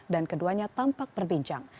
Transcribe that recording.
dan keduanya tampak berbincang